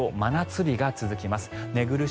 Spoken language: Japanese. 東京、真夏日が続きます。